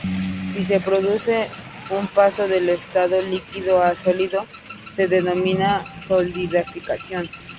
Si se produce un paso del estado líquido a sólido se denomina solidificación.